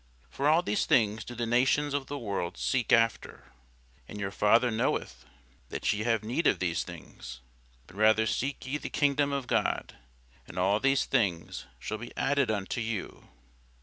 For all these things do the nations of the world seek after: and your Father knoweth that ye have need of these things. But rather seek ye the kingdom of God; and all these things shall be added unto you.